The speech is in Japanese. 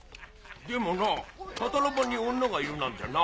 でもなぁタタラ場に女がいるなんてな。